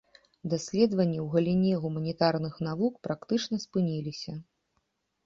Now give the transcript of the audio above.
Даследаванні ў галіне гуманітарных навук практычна спыніліся.